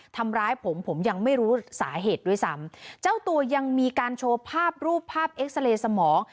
แต่ยังมีการโชว์ภาพรูปภาพเอ็กซาเลสมอง